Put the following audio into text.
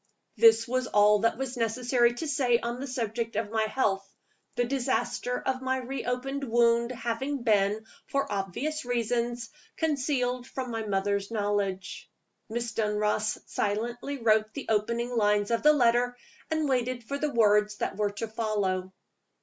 This was all that it was necessary to say on the subject of my health; the disaster of my re opened wound having been, for obvious reasons, concealed from my mother's knowledge. Miss Dunross silently wrote the opening lines of the letter, and waited for the words that were to follow.